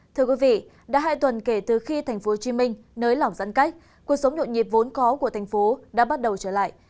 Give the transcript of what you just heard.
thưa quý vị đã hai tuần kể từ khi tp hcm nới lỏng giãn cách cuộc sống nhộn nhịp vốn có của thành phố đã bắt đầu trở lại